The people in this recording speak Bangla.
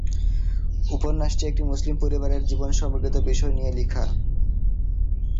উপন্যাসটি একটি মুসলিম পরিবারের জীবন সম্পর্কিত বিষয় নিয়ে লিখা।